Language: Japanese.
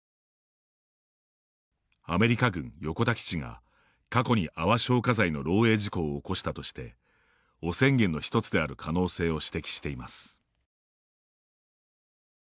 アメリカ軍横田基地が過去に泡消火剤の漏えい事故を起こしたとして汚染源の１つである可能性を指摘しています。